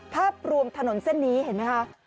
ภาพรวมถนนเส้นนี้เห็นไหมคะ